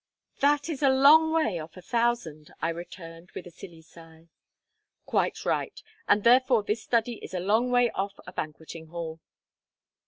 "That's a long way off a thousand," I returned, with a silly sigh. "Quite right; and, therefore, this study is a long way off a banqueting hall."